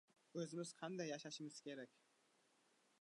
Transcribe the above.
oʻzimiz qanday yashashimiz kerak?